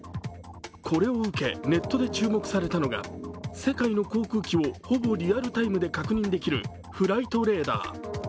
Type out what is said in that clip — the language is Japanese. これを受けネットで注目されたのが世界の航空機をほぼリアルタイムで確認できるフライトレーダー。